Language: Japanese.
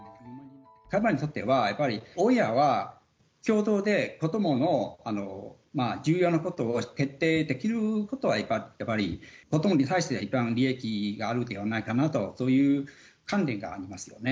裁判にとっては、親は共同で子どもの重要なことを決定できることは、やっぱり子どもに対して一番利益があるんではないかなという観念